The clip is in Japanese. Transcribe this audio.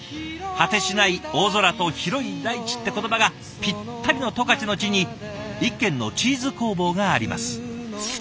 「果てしない大空と広い大地」って言葉がぴったりの十勝の地に一軒のチーズ工房があります。